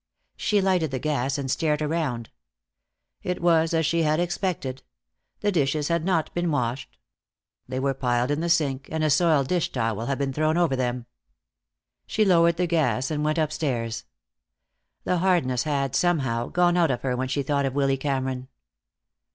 She lighted the gas and stared around. It was as she had expected. The dishes had not been washed. They were piled in the sink, and a soiled dish towel had been thrown over them. She lowered the gas and went upstairs. The hardness had, somehow, gone out of her when she thought of Willy Cameron.